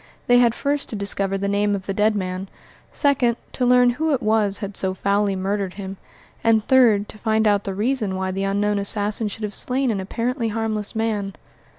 They had first to discover the name of the dead man; second, to learn who it was had so foully murdered him; and third, to find out the reason why the unknown assassin should have slain an apparently harmless man.